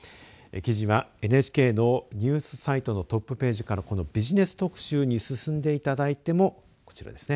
記事はＮＨＫのニュースサイトのトップページからこのビジネス特集に進んでいただいてもこちらですね